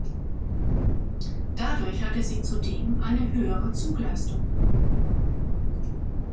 Dadurch hatte sie zudem eine höhere Zugleistung.